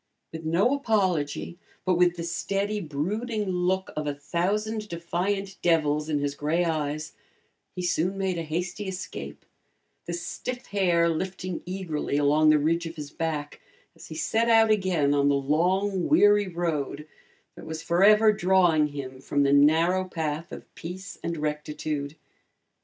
With no apology but with the steady, brooding look of a thousand defiant devils in his gray eyes, he soon made a hasty escape, the stiff hair lifting eagerly along the ridge of his back as he set out again on the long weary road that was forever drawing him from the narrow path of peace and rectitude.